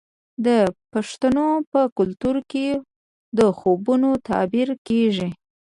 د پښتنو په کلتور کې د خوبونو تعبیر کیږي.